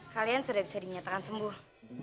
kalian sudah bisa dinyatakan sembuh